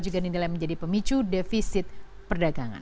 juga dinilai menjadi pemicu defisit perdagangan